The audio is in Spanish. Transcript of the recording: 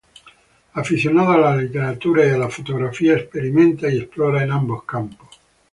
Aficionado a la literatura y la fotografía, experimenta y explora en ambos campos.